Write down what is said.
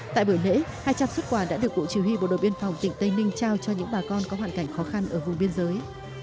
tại buổi lễ hai trăm linh xuất quà đã được bộ chỉ huy bộ đội biên phòng tỉnh tây ninh trao cho những bà con có hoàn cảnh khó khăn ở vùng biên giới